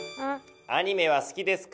アニメは好きですか？